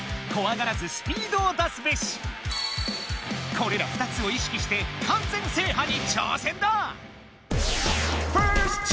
これら２つを意識して完全制覇に挑戦だ！